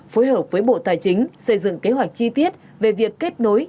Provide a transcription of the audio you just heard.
phối hợp với bộ tài chính xây dựng kế hoạch chi tiết về việc kết nối